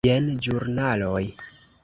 Jen ĵurnaloj.